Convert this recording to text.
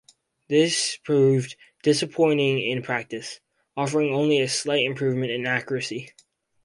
This proved disappointing in practice, offering only a slight improvement in accuracy.